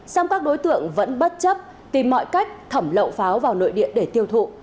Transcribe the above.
song các đối tượng vẫn bất chấp tìm mọi cách thẩm lậu pháo vào nội địa để tiêu thụ